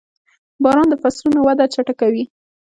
• باران د فصلونو وده چټکوي.